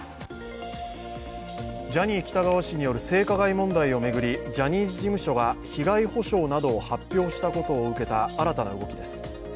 ジャニー喜多川氏による性加害問題を巡り、ジャニーズ事務所が被害補償などを発表したことを受けた新たな動きです。